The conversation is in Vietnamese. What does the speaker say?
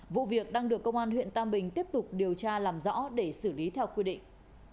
vụ việc đang được công an huyện tam bình tiếp tục điều tra làm rõ để xử lý theo quy định